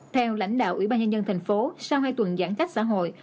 theo lãnh đạo ủy ban nhân dân thành phố sau hai tuần giãn cách xã hội